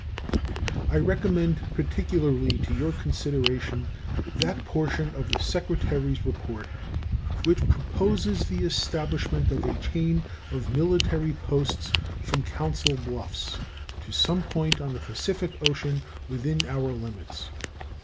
I recommend particularly to your consideration that portion of the Secretary's report which proposes the establishment of a chain of military posts from Council Bluffs to some point on the Pacific Ocean within our limits.